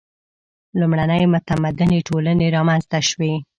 • لومړنۍ متمدنې ټولنې رامنځته شوې.